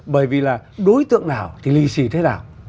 bởi vì là đối tượng nào thì lì xì thế nào